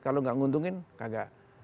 kalau enggak nguntungin enggak